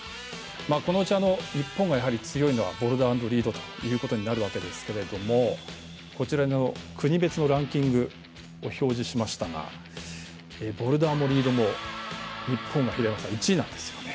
このうち、日本が強いのはボルダー＆リードになるということなんですけどこちらの国別のランキングを表示しましたがボルダーもリードが日本が１位なんですよね。